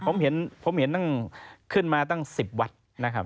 ผมเห็นผมเห็นตั้งขึ้นมาตั้ง๑๐วัดนะครับ